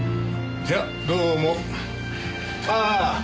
じゃどうも。ああ。